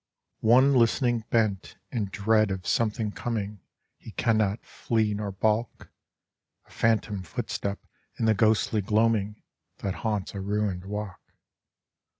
III One listening bent, in dread of something coming He can not flee nor balk A phantom footstep, in the ghostly gloaming, That haunts a ruined walk.